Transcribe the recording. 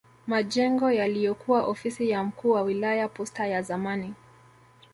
Majengo yaliyokuwa ofisi ya mkuu wa wilaya posta ya zamani